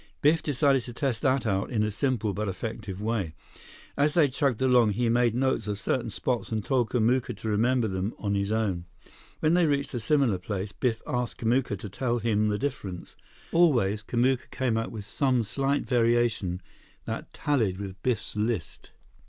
Biff decided to test that out in a simple but effective way. As they chugged along, he made notes of certain spots and told Kamuka to remember them on his own. When they reached a similar place, Biff asked Kamuka to tell him the difference. Always, Kamuka came up with some slight variation that tallied with Biff's list.